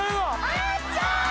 あっちゃん！